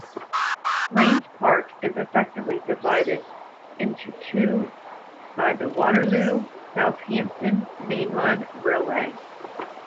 Raynes Park is effectively divided into two by the Waterloo - Southampton mainline railway.